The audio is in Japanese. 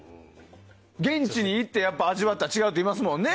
現地に行って味わったら違うっていいますもんね